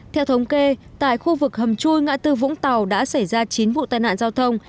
theo thống kê tại khu vực hầm chui ngã tư vũng tàu đã xảy ra chín vụ tai nạn giao thông